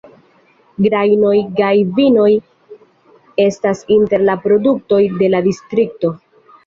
Grajnoj kaj vinoj estas inter la produktoj de la distrikto.